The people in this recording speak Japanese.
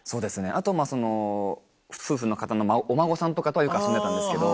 あとその夫婦の方のお孫さんとかとよく遊んでたんですけど。